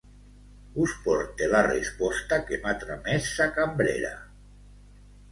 Us porte la resposta que m’ha tramès sa cambrera;